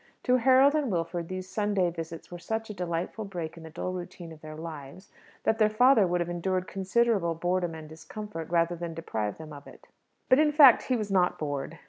To Harold and Wilfred these Sunday visits were such a delightful break in the dull routine of their lives that their father would have endured considerable boredom and discomfort rather than deprive them of it. But, in fact, he was not bored.